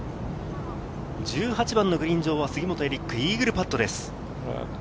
１８番のグリーン上は杉本エリック、イーグルパットです。